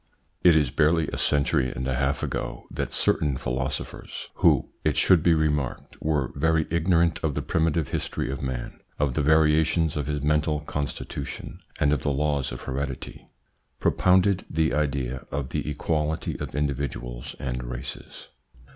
It is barely a century and a half ago that certain philosophers, who, it should be remarked, were very ignorant of the primitive history of man, of the varia tions of his mental constitution and of the laws of heredity, propounded the idea of the equality of individuals and races.